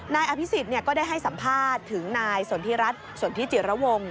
นายอภิสิตเนี่ยก็ได้ให้สัมภาษณ์ถึงนายสนทิรัตน์สนทิจิรวง